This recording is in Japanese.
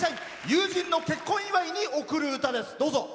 友人の結婚祝に贈る歌です。